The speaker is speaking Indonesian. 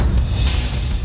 apa sih pak